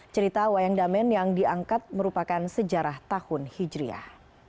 cerita wayang damen yang diangkat merupakan sejarah tahun hijriah